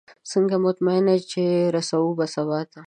څنګه مطمئنه یې چې رسو به سباته؟